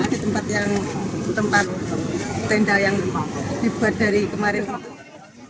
ini tempat yang tempat tenda yang dibuat dari kemarin